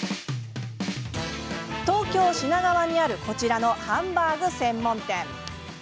東京・品川にあるこちらのハンバーグ専門店。